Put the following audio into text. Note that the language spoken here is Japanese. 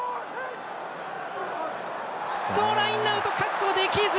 ラインアウト確保できず。